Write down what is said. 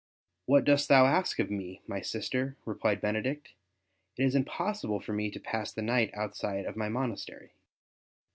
*' What dost thou ask of me, my sister ?" replied Benedict; ''it is impossible for me to pass the night outside of my monastery."